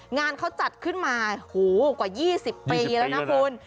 งานเขาจัดขึ้นมาหูกว่ายี่สิบปีแล้วนะคุณ